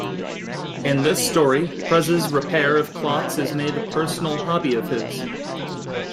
In this story, Prez's repair of clocks is made a personal hobby of his.